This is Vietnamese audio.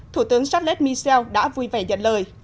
thủ tướng charlotte michel đã vui vẻ nhận lời